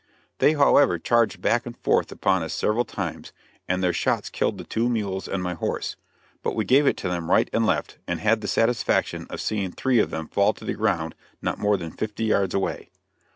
They however charged back and forth upon us several times, and their shots killed the two mules and my horse; but we gave it to them right and left, and had the satisfaction of seeing three of them fall to the ground not more than fifty yards away.